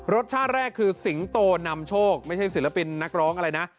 ชาติแรกคือสิงโตนำโชคไม่ใช่ศิลปินนักร้องอะไรนะ